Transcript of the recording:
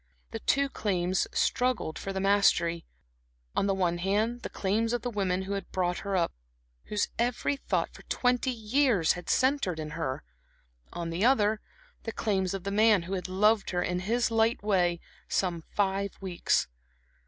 The two claims struggled for the mastery; on the one hand, the claims of the women who had brought her up, whose every thought for twenty years had centred in her; on the other, the claims of the man who had loved her in his light way some five weeks.